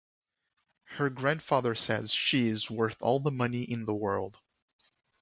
Her grandfather says she is worth all the money in the world.